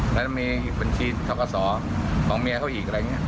แล้วจะมีบัญชีทกศของเมียเขาอีกอะไรอย่างนี้